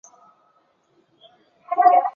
游戏中含有解密元素。